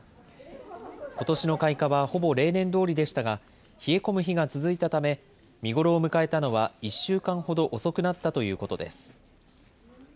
ことしの開花はほぼ例年どおりでしたが、冷え込む日が続いたため、見頃を迎えたのは１週間ほど遅くなったということです。